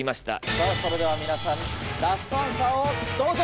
さぁそれでは皆さんラストアンサーをどうぞ！